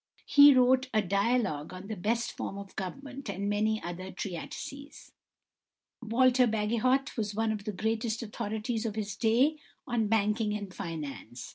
He wrote "A Dialogue on the Best Form of Government" and many other treatises. =Walter Bagehot (1826 1877)= was one of the greatest authorities of his day on banking and finance.